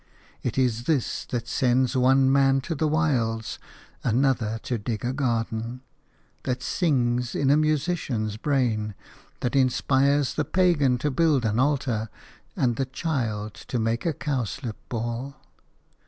It is this that sends one man to the wilds, another to dig a garden; that sings in a musician's brain; that inspires the pagan to build an altar and the child to make a cowslip ball.